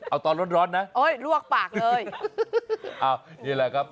เอาตอนร้อนร้อนนะโอ้ยลวกปากเลยอ้าวนี่แหละครับ